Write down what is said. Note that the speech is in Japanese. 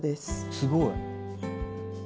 すごい！